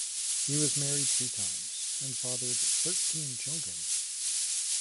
He was married three times, and fathered thirteen children.